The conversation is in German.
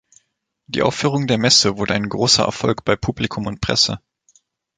Die Aufführung der Messe wurde ein großer Erfolg bei Publikum und Presse.